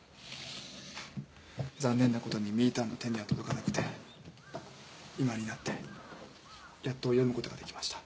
残念なことにみぃたんの手には届かなくて今になってやっと読むことができました。